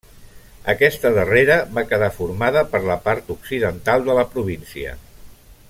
Aquesta darrera va quedar formada per la part occidental de la província.